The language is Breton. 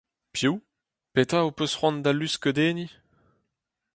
piv, petra ho peus c’hoant da luc’hskeudenniñ ?